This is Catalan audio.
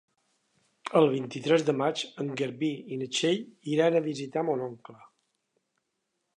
El vint-i-tres de maig en Garbí i na Txell iran a visitar mon oncle.